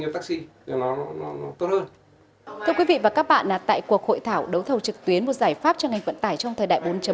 thưa quý vị và các bạn tại cuộc hội thảo đấu thầu trực tuyến một giải pháp cho ngành vận tải trong thời đại bốn